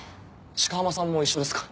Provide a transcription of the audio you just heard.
鹿浜さんも一緒ですか？